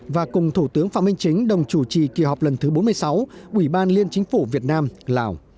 và cùng thủ tướng phạm minh chính đồng chủ trì kỳ họp lần thứ bốn mươi sáu ủy ban liên chính phủ việt nam lào